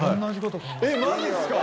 えっマジっすか！